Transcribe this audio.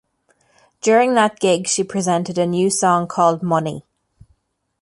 During that gig she presented a new song called "Money".